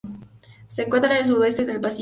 Se encuentra en el sudoeste del Pacífico.